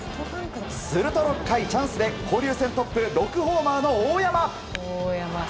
すると６回チャンスで交流戦トップの６ホーマーの大山。